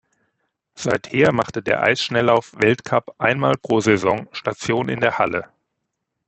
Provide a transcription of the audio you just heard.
Seither machte der Eisschnelllauf-Weltcup einmal pro Saison Station in der Halle.